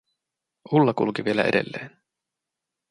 Ulla kulki vielä edelleen.